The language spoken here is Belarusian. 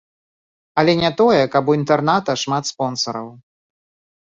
Але не тое, каб у інтэрната шмат спонсараў.